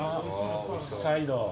サイド。